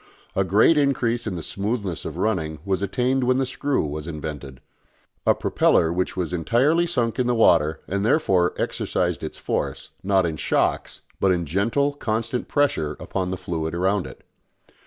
A great increase in the smoothness of running was attained when the screw was invented a propeller which was entirely sunk in the water and therefore exercised its force, not in shocks, but in gentle constant pressure upon the fluid around it.